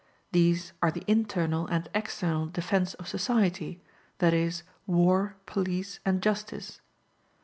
These are the internal and external defence of society, that is, War, Police and Justice.